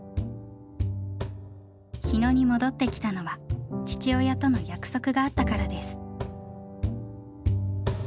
日野に戻って来たのは父親との約束があったからです。